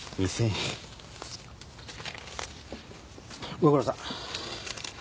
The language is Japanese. ご苦労さん。